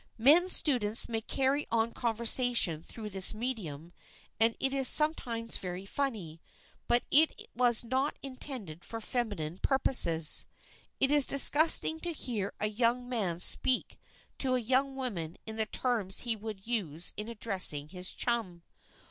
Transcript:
Men students may carry on conversation through this medium and it is sometimes very funny, but it was not intended for feminine purposes. It is disgusting to hear a young man speak to a young woman in the terms he would use in addressing his chum.